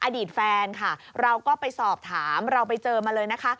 อดีตแฟนค่ะเราก็ไปสอบถามเราไปเจอมาเลยนะคะ